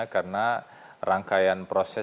karena rangkaian proses